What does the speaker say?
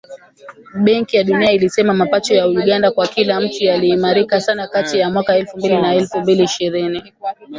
Benki ya Dunia ilisema mapato ya Uganda kwa kila mtu yaliimarika sana kati ya mwaka elfu mbili na elfu mbili ishirini.